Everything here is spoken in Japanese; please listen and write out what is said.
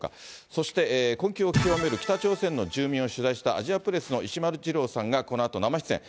そして困窮を極める北朝鮮の住民を取材したアジアプレスの石丸次郎さんがこのあと生出演。